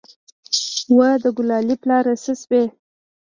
وه د ګلالي پلاره څه سوې.